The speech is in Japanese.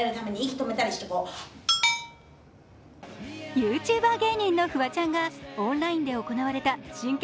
ＹｏｕＴｕｂｅｒ芸人のフワちゃんがオンラインで行われた進研